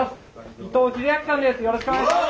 伊藤英明さんです。